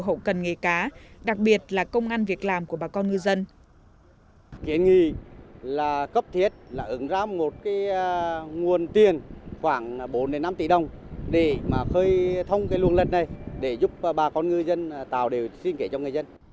hậu cần nghề cá đặc biệt là công an việc làm của bà con ngư dân